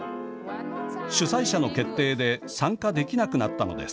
主催者の決定で参加できなくなったのです。